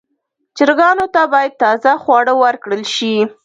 چرګانو ته باید تازه خواړه ورکړل شي.